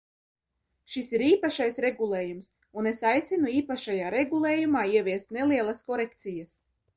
Šis ir īpašais regulējums, un es aicinu īpašajā regulējumā ieviest nelielas korekcijas.